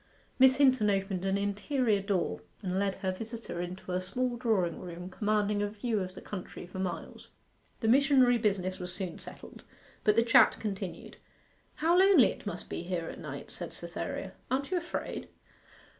Miss Hinton opened an interior door and led her visitor into a small drawing room commanding a view of the country for miles. The missionary business was soon settled; but the chat continued. 'How lonely it must be here at night!' said Cytherea. 'Aren't you afraid?